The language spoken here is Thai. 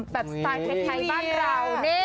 แบบสไตล์ไทยบ้านเราเน่